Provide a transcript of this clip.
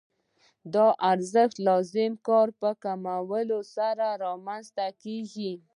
دا ارزښت د لازم کار په کموالي سره رامنځته کېږي